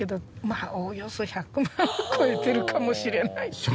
あおおよそ１００万は超えてるかもしれないっていう。